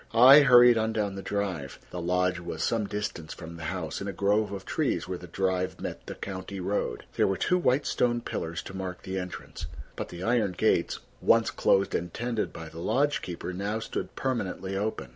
I hurried on down the drive. The lodge was some distance from the house, in a grove of trees where the drive met the county road. There were two white stone pillars to mark the entrance, but the iron gates, once closed and tended by the lodge keeper, now stood permanently open.